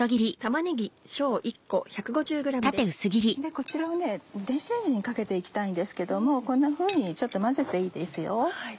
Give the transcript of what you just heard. こちらを電子レンジにかけて行きたいんですけどもこんなふうにちょっと混ぜていいですよ。